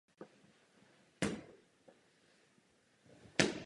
Bude potřeba vytvořit určitý druh magnetického štítu pro ochranu kosmonautů.